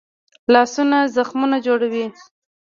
لاسونه زخمونه جوړوي